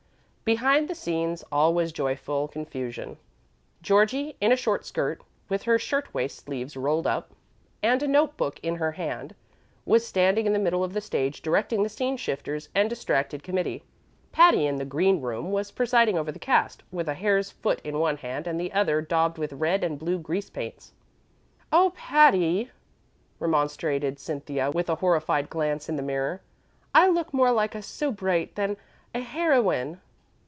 Behind the scenes all was joyful confusion. Georgie, in a short skirt, with her shirt waist sleeves rolled up and a note book in her hand, was standing in the middle of the stage directing the scene shifters and distracted committee. Patty, in the "green room," was presiding over the cast, with a hare's foot in one hand and the other daubed with red and blue grease paints. "Oh, Patty," remonstrated Cynthia, with a horrified glance in the mirror, "I look more like a soubrette than a heroine."